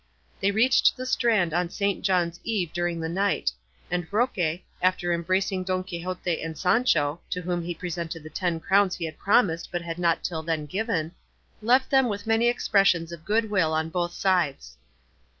They reached the strand on Saint John's Eve during the night; and Roque, after embracing Don Quixote and Sancho (to whom he presented the ten crowns he had promised but had not until then given), left them with many expressions of good will on both sides.